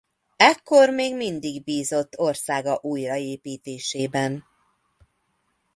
Ekkor még mindig bízott országa újraépítésében.